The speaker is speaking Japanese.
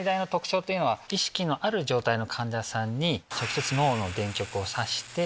というのは意識のある状態の患者さんに直接脳の電極を挿して。